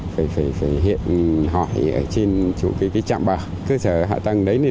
phải hiện họ ở trên cái trạm bờ cơ sở hạ tàng đấy